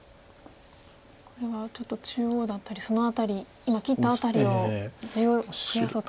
これはちょっと中央だったりその辺り今切った辺りを地を増やそうと。